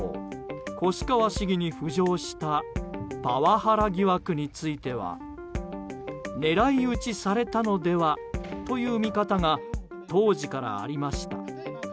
越川市議に浮上したパワハラ疑惑については狙い撃ちされたのではという見方が当時からありました。